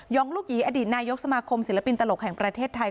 องลูกหยีอดีตนายกสมาคมศิลปินตลกแห่งประเทศไทย